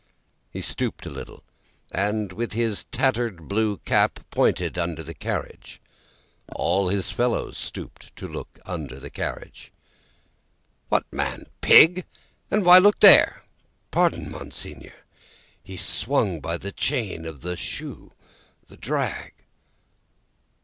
He stooped a little, and with his tattered blue cap pointed under the carriage. All his fellows stooped to look under the carriage. "What man, pig? And why look there?" "Pardon, Monseigneur; he swung by the chain of the shoe the drag."